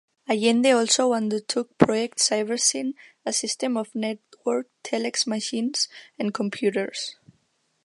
Allende also undertook Project Cybersyn, a system of networked telex machines and computers.